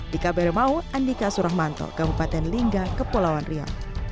di kabernet maud andika suramanto kabupaten lingga kepulauan rio